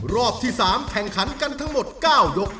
รอบที่๓แข่งขันกันทั้งหมด๙ยก